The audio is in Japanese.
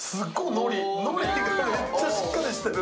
のり、めっちゃしっかりしてる！